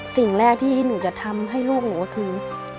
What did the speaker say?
สิ่งแรกที่หนูจะทำให้ลูกหนูก็คือ